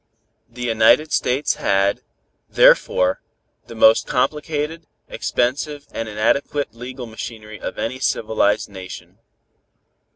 The United States had, therefore, the most complicated, expensive and inadequate legal machinery of any civilized nation.